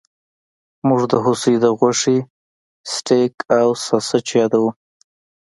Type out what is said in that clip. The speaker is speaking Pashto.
موږ د هوسۍ د غوښې سټیک او ساسج یادوو